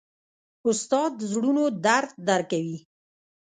استاد د زړونو درد درک کوي.